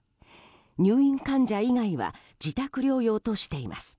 入院患者以外は自宅療養としています。